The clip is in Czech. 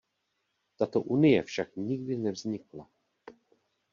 Tato unie však nikdy nevznikla.